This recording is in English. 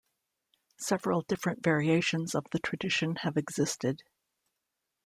Several different variations of the tradition have existed.